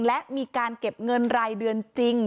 และมีการเก็บเงินรายเดือนจริง